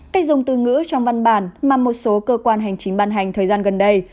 cách dùng từ ngữ trong văn bản mà một số cơ quan hành chính ban hành thời gian gần đây